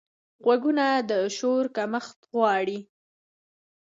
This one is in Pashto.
غوږونه د شور کمښت غواړي